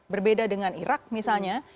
berbeda dengan irak misalnya